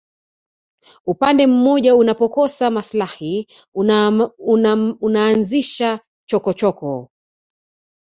upande mmoja unapokosa maslahi unaanzisha chokochoko